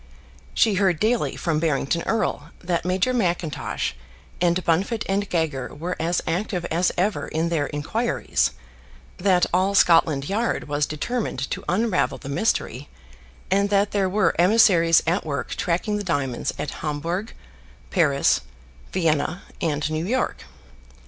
She heard daily from Barrington Erle that Major Mackintosh and Bunfit and Gager were as active as ever in their inquiries, that all Scotland Yard was determined to unravel the mystery, and that there were emissaries at work tracking the diamonds at Hamburg, Paris, Vienna, and New York.